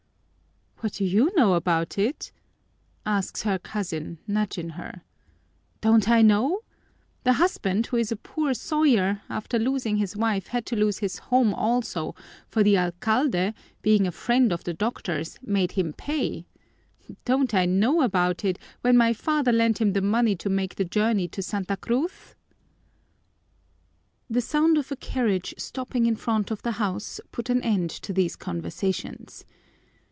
"What do you know about it?" asks her cousin, nudging her. "Don't I know? The husband, who is a poor sawyer, after losing his wife had to lose his home also, for the alcalde, being a friend of the doctor's, made him pay. Don't I know about it, when my father lent him the money to make the journey to Santa Cruz?" The sound of a carriage stopping in front of the house put an end to these conversations.